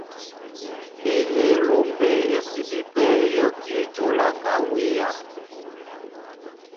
Elélómbé é sibí tɛ́ é yɔkí jǒla ka wéá.